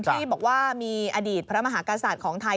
ที่บอกว่ามีอดีตพระมหากษัตริย์ของไทย